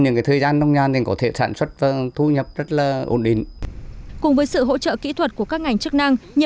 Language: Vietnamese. nhiều nông dân có thể sản xuất và thu nhập rất là ổn định